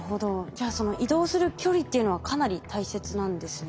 じゃあその移動する距離っていうのはかなり大切なんですね。